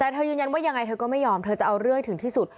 แต่เธอยืนยันว่ายังไงเธอก็ไม่ยอมเธอจะเอาเรื่องให้ถึงที่สุด